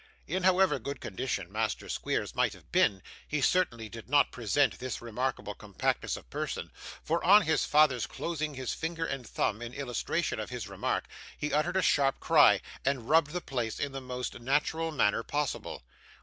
In however good condition Master Squeers might have been, he certainly did not present this remarkable compactness of person, for on his father's closing his finger and thumb in illustration of his remark, he uttered a sharp cry, and rubbed the place in the most natural manner possible.